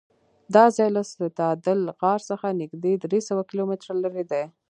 دا ځای له ستادل غار څخه نږدې درېسوه کیلومتره لرې دی.